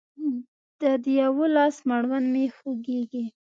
د دا يوه لاس مړوند مې خوږيږي